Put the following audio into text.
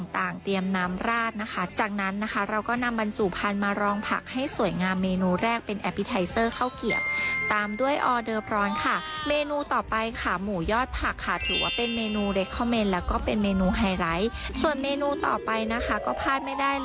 แต่เดี๋ยวนี้เขามีโต๊ะจีนแบบใหม่แบบเดลิเวอรี่อยากกินเมื่อไหร่โทรหาได้เลยจ้า